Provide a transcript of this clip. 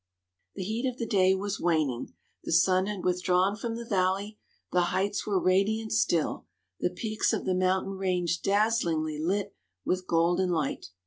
The heat of the day was waning; the sun had withdrawn from the valley; the heights were radiant still, the peaks of the mountain range dazzlingly lit with golden light.